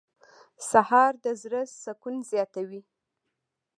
سهار د زړه سکون زیاتوي.